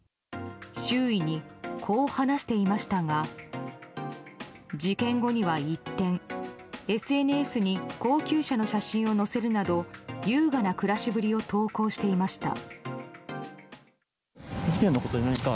周囲にこう話していましたが事件後には一転、ＳＮＳに高級車の写真を載せるなど優雅な暮らしぶりを投稿していました。